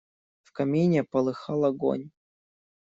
В камине полыхал огонь.